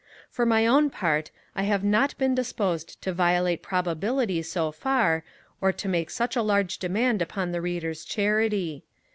For my own part, I have not been disposed to violate probability so far, or to make such a large demand upon the Reader's charity.